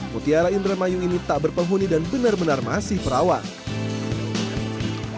mutiara indramayu ini tak berpenghuni dan benar benar masih perawat